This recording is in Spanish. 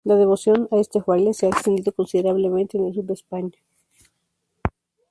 La devoción a este fraile se ha extendido considerablemente en el sur de España.